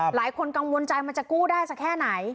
หลายคนกังวลใจมันจะกู้ได้สักแค่ไหน